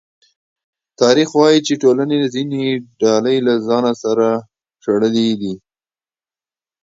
تاریخ وايي چې ټولنې ځینې ډلې له ځانه شړلې دي.